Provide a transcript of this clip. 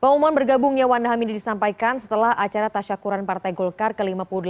pengumuman bergabungnya wanda hamidi disampaikan setelah acara tasyakuran partai golkar ke lima puluh delapan